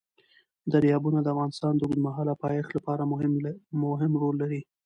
دریابونه د افغانستان د اوږدمهاله پایښت لپاره مهم رول لري.